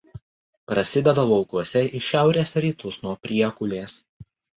Prasideda laukuose į šiaurės rytus nuo Priekulės.